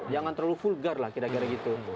jangan terlalu vulgar lah kira kira gitu